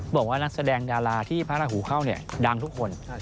บอกว่านักแสดงดาราที่พระราหูเข้าเนี่ยดังทุกคน